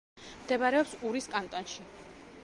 მდებარეობს ურის კანტონში.